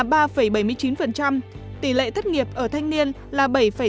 tỷ lệ thất nghiệp là ba bảy mươi chín tỷ lệ thất nghiệp ở thanh niên là bảy tám mươi sáu